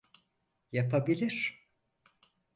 Yapabilir.